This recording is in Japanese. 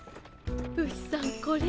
ウシさんこれ。